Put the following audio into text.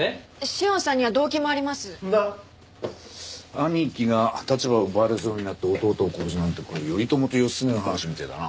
兄貴が立場を奪われそうになって弟を殺すなんてこれ頼朝と義経の話みたいだな。